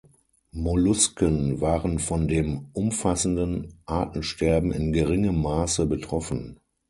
Mollusken waren von dem umfassenden Artensterben in geringerem Maße betroffen.